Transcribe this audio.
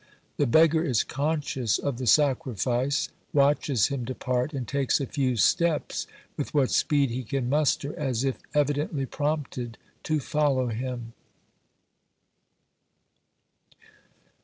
The beggar is conscious of the sacrifice, watches him depart, and takes a few steps with what speed he can muster, as if evidently prompted to follow him.